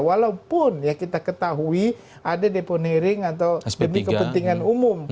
walaupun ya kita ketahui ada deponering atau demi kepentingan umum